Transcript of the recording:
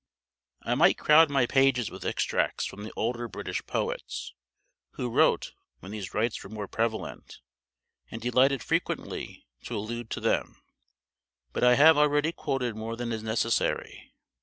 I might crowd my pages with extracts from the older British poets, who wrote when these rites were more prevalent, and delighted frequently to allude to them; but I have already quoted more than is necessary.